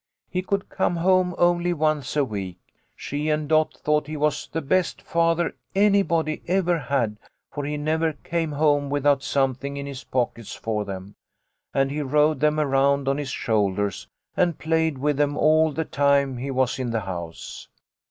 He could come home only once a week. She and Dot thought he was the best father anybody ever had, for he never came home without something in his pockets for them, and he rode them around on his shoulders and played with them all the time he was in the house.